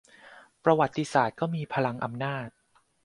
ประวัติศาสตร์ก็มีพลังอำนาจ